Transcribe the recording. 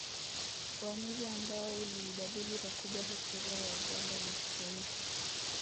Uamuzi ambao uliibadili pakubwa historia ya Uganda na kushawishi